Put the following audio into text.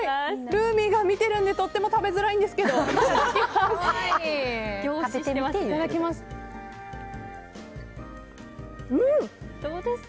ヌーミーが見てるのでとっても食べづらいんですけどいただきます。